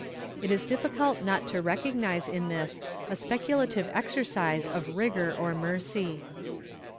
^ It is difl&cult not to recog nize in this a speculative exercise of rigor or mercy.